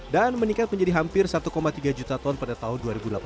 meningkat menjadi hampir satu tiga juta ton pada tahun dua ribu delapan belas